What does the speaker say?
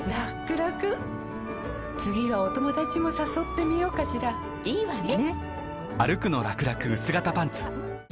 らくらくはお友達もさそってみようかしらいいわね！